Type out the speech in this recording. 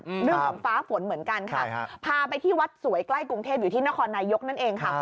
เรื่องของฟ้าฝนเหมือนกันค่ะพาไปที่วัดสวยใกล้กรุงเทพอยู่ที่นครนายกนั่นเองค่ะ